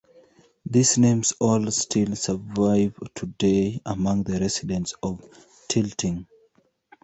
These names all still survive today among the residents of Tilting.